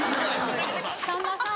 さんまさん。